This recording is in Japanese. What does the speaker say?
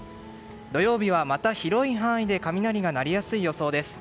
土曜日はまた広い範囲で雷が鳴りやすい予想です。